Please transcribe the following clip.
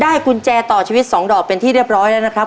กุญแจต่อชีวิต๒ดอกเป็นที่เรียบร้อยแล้วนะครับ